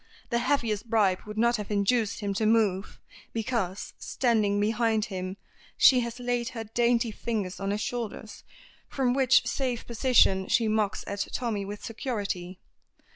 The heaviest bribe would not have induced him to move, because, standing behind him, she has laid her dainty fingers on his shoulders, from which safe position she mocks at Tommy with security.